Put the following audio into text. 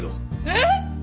えっ！？